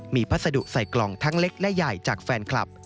มีพัสดุใส่กล่องทั้งเล็กและใหญ่จากแฟนคลับ